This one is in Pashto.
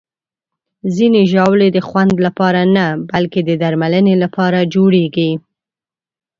ځینې ژاولې د خوند لپاره نه، بلکې د درملنې لپاره جوړېږي.